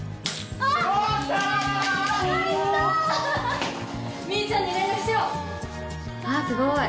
あー、すごい。